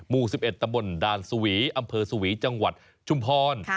หมู่๑๑ตำบลด่านสวีอำเภอสวีจังหวัดชุมพร